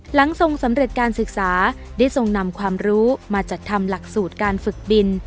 ทรงสำเร็จการศึกษาได้ทรงนำความรู้มาจัดทำหลักสูตรการฝึกบิน